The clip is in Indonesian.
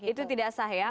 itu tidak sah ya